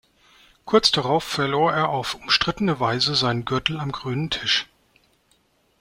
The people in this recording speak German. Kurz darauf verlor er auf umstrittene Weise seinen Gürtel am grünen Tisch.